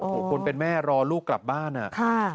โอ้โหคนเป็นแม่รอลูกกลับบ้านอ่ะค่ะ